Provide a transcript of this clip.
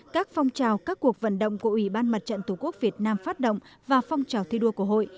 các phong trào các cuộc vận động của ủy ban mặt trận tổ quốc việt nam phát động và phong trào thi đua của hội